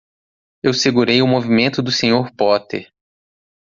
Eu segurei o movimento do Sr. Potter.